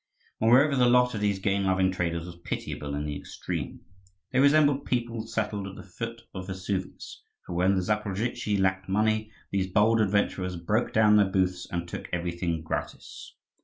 Moreover, the lot of these gain loving traders was pitiable in the extreme. They resembled people settled at the foot of Vesuvius; for when the Zaporozhtzi lacked money, these bold adventurers broke down their booths and took everything gratis.